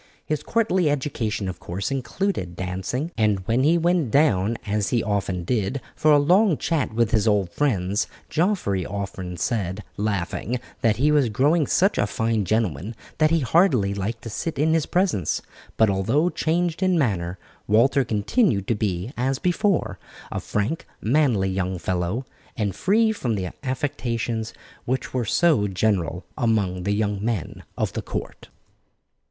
His courtly education, of course, included dancing, and when he went down, as he often did, for a long chat with his old friends, Geoffrey often said, laughing, that he was growing such a fine gentleman that he hardly liked to sit in his presence; but although changed in manner, Walter continued to be, as before, a frank, manly young fellow, and free from the affectations which were so general among the young men of the court.